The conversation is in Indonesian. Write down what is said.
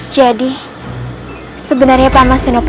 jadi sebenarnya paman senopati sancang lodaya